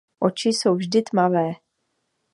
Oči jsou vždy tmavé.